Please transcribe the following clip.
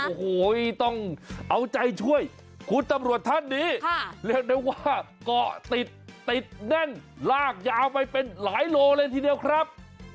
โอ้โหต้องเอาใจช่วยคุณตำรวจท่านนี้เรียกได้ว่าเกาะติดติดแน่นลากยาวไปเป็นหลายโลเลยทีเดียวครับ